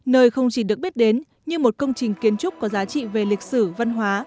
nơi không chỉ được biết đến như một công trình kiến trúc có giá trị về lịch sử văn hóa